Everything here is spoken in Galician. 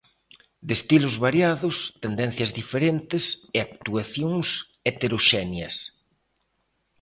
De estilos variados, tendencias diferentes e actuacións heteroxéneas.